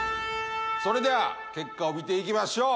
それでは結果を見ていきましょう！